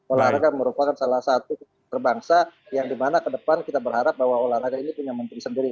olahraga merupakan salah satu terbangsa yang dimana ke depan kita berharap bahwa olahraga ini punya menteri sendiri